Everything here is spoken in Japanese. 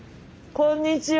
こんにちは。